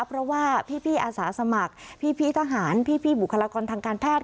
เพราะว่าพี่อาสาสมัครพี่ทหารพี่บุคลากรทางการแพทย์